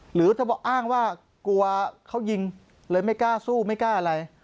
หรือถ้าอ้างว่ากลัวเขายิงเลยไม่กล้าสู้ไม่กล้าอะไร